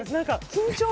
緊張。